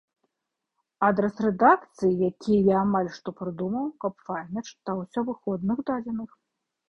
Адрас рэдакцыі, які я амаль што прыдумаў, каб файна чытаўся ў выходных дадзеных.